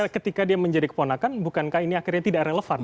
ketika dia menjadi keponakan bukankah ini akhirnya tidak relevan